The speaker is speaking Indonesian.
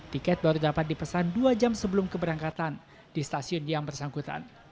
tiket baru dapat dipesan dua jam sebelum keberangkatan di stasiun yang bersangkutan